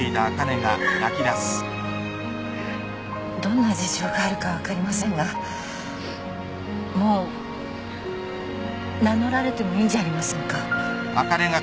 どんな事情があるか分かりませんがもう名乗られてもいいんじゃありませんか？